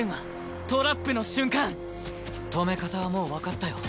止め方はもうわかったよ